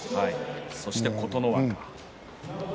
そして琴ノ若。